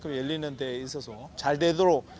saya sangat berharap dan saya berharap